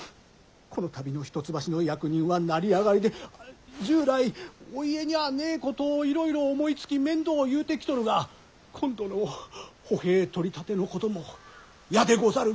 「この度の一橋の役人は成り上がりで従来お家にゃあねぇことをいろいろ思いつき面倒を言うてきとるが今度の歩兵取立のことも『嫌でござる。